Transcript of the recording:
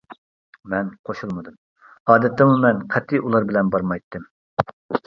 مەن قوشۇلمىدىم، ئادەتتىمۇ مەن قەتئىي ئۇلار بىلەن بارمايتتىم.